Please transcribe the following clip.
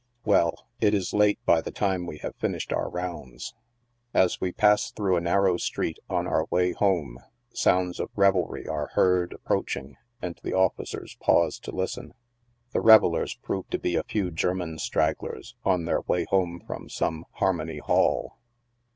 Well, it is late by the time we have finished our rounds. As we pass through a narrow street, on our way home, sounds of revelry are heard approaching, and the officers pause to listen. The revel lers prove to be a few German stragglers, on their way from some "Harmony Hall."